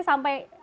vaos cara ke arah